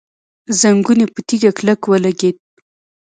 زنګون يې په تيږه کلک ولګېد.